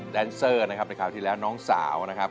แดนเซอร์นะครับในคราวที่แล้วน้องสาวนะครับ